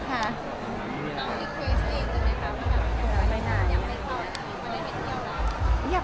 คิวจะให้คำถามกับยากไปเท่าไหร่